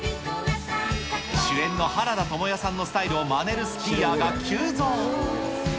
主演の原田知世さんのスタイルをまねるスキーヤーが急増。